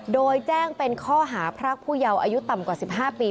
โดยแจ้งเป็นข้อหาพรากผู้เยาว์อายุต่ำกว่า๑๕ปี